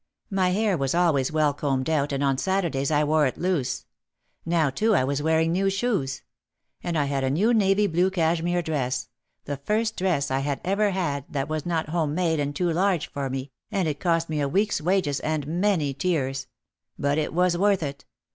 My hair was always well combed out and on Saturdays I wore it loose. Now too I was wearing new shoes. And I had a new navy blue cashmere dress, the first dress I had ever had, that was not home made and too large for me, and it cost me a week's wages and many tears. But it was worth it.